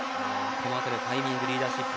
このあたりタイミングでリーダーシップ。